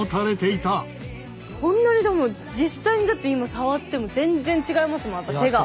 こんなにでも実際に今触っても全然違いますもん手が。